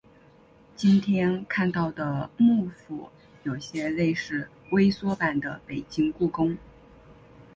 今天看到的木府有些类似微缩版的北京故宫。